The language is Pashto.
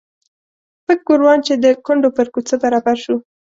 پک ګوروان چې د کونډو پر کوڅه برابر شو.